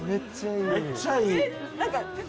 めっちゃいい。